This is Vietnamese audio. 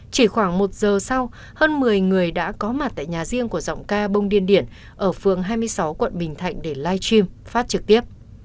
chỉ khoảng một giờ sau hơn một mươi người đã có mặt tại nhà riêng của giọng ca bông điên điển ở phường hai mươi sáu quận bình thạnh để live stream phát trực tiếp